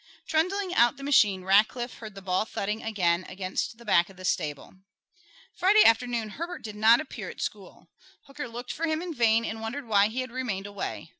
Trundling out the machine, Rackliff heard the ball thudding again against the back of the stable. Friday afternoon Herbert did not appear at school. Hooker looked for him in vain and wondered why he had remained away.